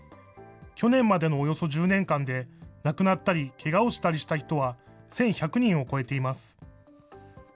去年までのおよそ１０年間で、亡くなったりけがをしたりした人は１１００人を超えています。